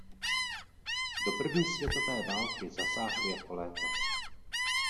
Do první světové války zasáhl jako lékař.